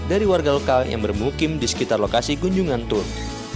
dari warga lokal yang bermukim di sekitar lokasi kunjungan tur